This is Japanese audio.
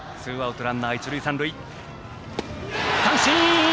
三振！